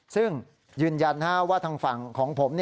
ซึ่งยืนยันว่าทางฝั่งของผม